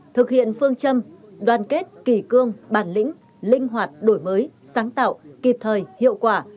thực hiện phương châm đoàn kết kỷ cương bản lĩnh linh hoạt đổi mới sáng tạo kịp thời hiệu quả